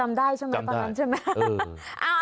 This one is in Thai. มันจำได้ใช่ไหมตอนนั้น